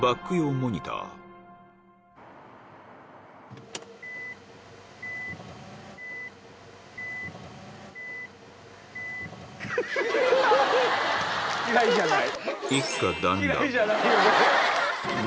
では嫌いじゃない。